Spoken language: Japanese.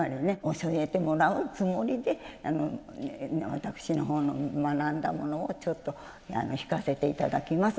教えてもらうつもりで私の方の学んだものをちょっと弾かせていただきます。